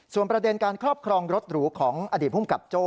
ประเด็นการครอบครองรถหรูของอดีตภูมิกับโจ้